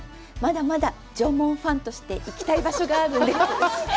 まだまだ縄文ファンとして行きたい場所があるんです！